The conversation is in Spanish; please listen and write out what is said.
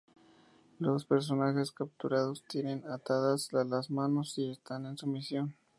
Los personajes capturados tienen atadas las manos y están en sumisión.